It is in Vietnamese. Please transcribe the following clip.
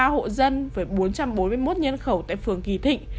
một trăm năm mươi ba hộ dân với bốn trăm bốn mươi một nhân khẩu tại phường kỳ thịnh